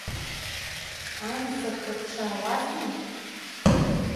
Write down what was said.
Анасыԥ лыԥшаауазма?